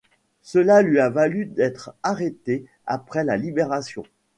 Cela lui a valu d’être arrêté après la Libération.